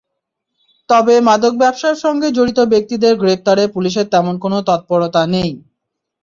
তবে মাদক ব্যবসার সঙ্গে জড়িত ব্যক্তিদের গ্রেপ্তারে পুলিশের তেমন কোনো তৎপরতা নেই।